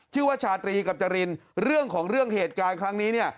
ว่าชาตรีกับจรินเรื่องของเรื่องเหตุการณ์ครั้งนี้เนี่ย